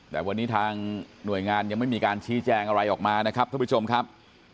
แต่วันนี้ทางหน่วยงานยังไม่มีการชี้แจงอะไรออกมานะครับท่านผู้ชมครับ